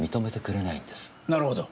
なるほど。